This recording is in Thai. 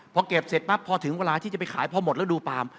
พอเก็บเสร็จปั๊บพอถึงเวลาที่จะไปขายพอหมดแล้วดูปาล์ม